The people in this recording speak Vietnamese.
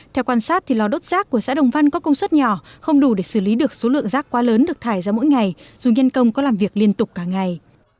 theo quan sát thì lò đốt rác của xã đồng văn có công suất nhỏ không đủ để xử lý được số lượng rác quá lớn được thải ra mỗi ngày dù nhân công có làm việc liên tục cả ngày